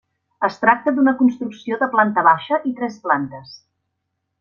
Es tracta d'una construcció de planta baixa i tres plantes.